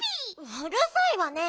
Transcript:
うるさいわね！